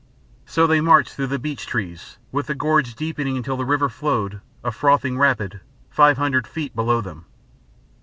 So they marched through beech trees, with the gorge deepening until the river flowed, a frothing rapid, five hundred feet below them.